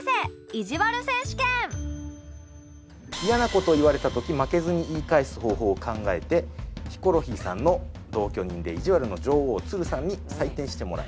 嫌な事を言われた時負けずに言い返す方法を考えてヒコロヒーさんの同居人でいじわるの女王つるさんに採点してもらいます。